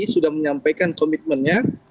sudah menyampaikan komitmennya